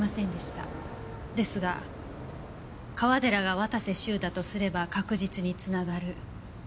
ですが川寺が綿瀬修だとすれば確実に繋がる。